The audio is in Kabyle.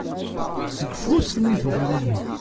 Seg ufus n iberraniyen!